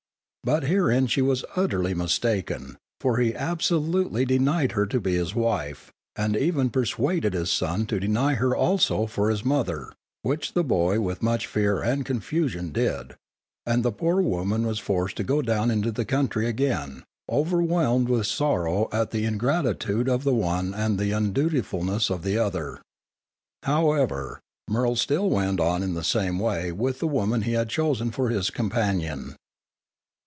But herein she was utterly mistaken, for he absolutely denied her to be his wife, and even persuaded his son to deny her also for his mother, which the boy with much fear and confusion did; and the poor woman was forced to go down into the country again, overwhelmed with sorrow at the ingratitude of the one and the undutifulness of the other. However, Murrel still went on in the same way with the woman he had chosen for his companion.